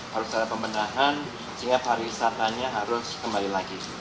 harus ada pembenahan sehingga pariwisatanya harus kembali lagi